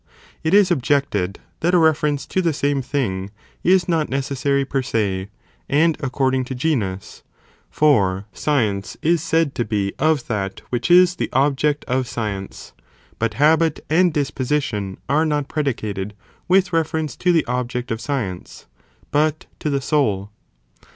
It is objected, that a reference to the same thing is not necessary per se, and according to genus, for science is' said to be of that which is the object of science, but habit and disposition are not predicated with reference to the object of science, but to the soul.